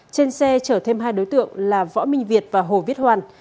trên xe chở thêm hai đối tượng là võ minh việt và hồ viết hoàn